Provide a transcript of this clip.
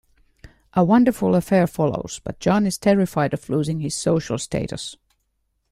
A wonderful affair follows, but John is terrified of losing his social status.